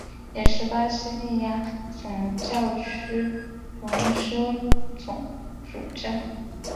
也是巴西利亚总教区荣休总主教。